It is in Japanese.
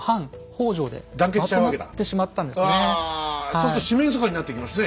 そうすると四面楚歌になってきますね。